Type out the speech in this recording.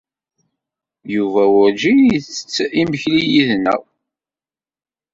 Yuba werǧin yettett imekli yid-neɣ.